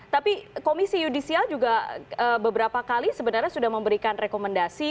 tapi komisi yudisial juga beberapa kali sebenarnya sudah memberikan rekomendasi